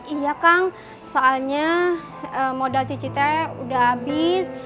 iya kang soalnya modal cicitnya udah habis